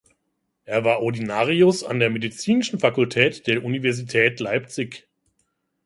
Er war Ordinarius an der medizinischen Fakultät der Universität Leipzig.